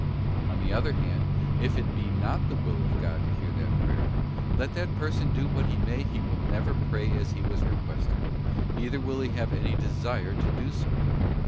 On the other hand, if it be not the Will of God to hear that prayer ; let that person do what he may, he will never pray as he was requested, neither will he have any desire to do so.